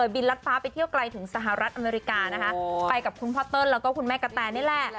บินรัดฟ้าไปเที่ยวกลายถึงสหรัฐอเมริกาไปกับคุณพอตเติ้ลและคุณแม่กะแตน